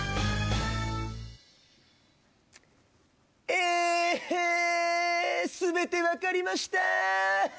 えー全てわかりました！